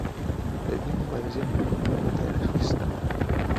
د دې مبارزې نمونې په تاریخ کې شته.